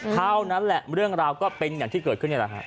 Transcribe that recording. เท่านั้นแหละเรื่องราวก็เป็นอย่างที่เกิดขึ้นนี่แหละฮะ